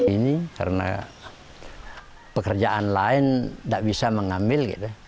ini karena pekerjaan lain tidak bisa mengambil gitu